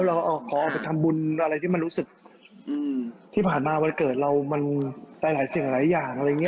เราออกขอออกไปทำบุญอะไรที่มันรู้สึกที่ผ่านมาวันเกิดเรามันไปหลายสิ่งหลายอย่างอะไรอย่างนี้